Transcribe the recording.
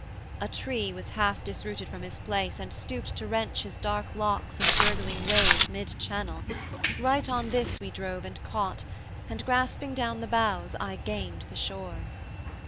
A tree Was half disrooted from his place and stooped To wrench his dark locks in the gurgling wave Mid channel. Right on this we drove and caught, And grasping down the boughs I gained the shore.